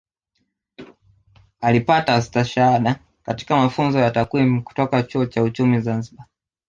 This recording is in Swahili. Alipata Astashada katika Mafunzo ya Takwimu kutoka Chuo cha Uchumi Zanzibar